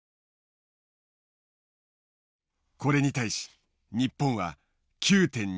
これに対し日本は９．２０。